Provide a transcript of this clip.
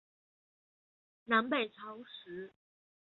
南北朝时为营州地。